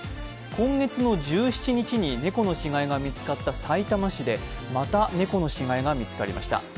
今月の１７日に猫の死骸が見つかったさいたま市でまた猫の死骸が見つかりました。